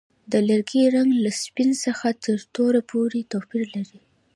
د لرګي رنګ له سپین څخه تر تور پورې توپیر لري.